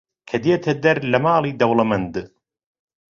کە دێتە دەر لە ماڵی دەوڵەمەند